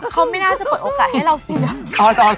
เขาไม่น่าจะเปิดโอกาสให้เราเสี่ยง